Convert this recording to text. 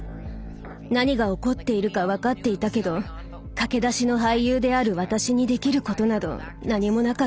何が起こっているか分かっていたけど駆け出しの俳優である私にできることなど何もなかったわ。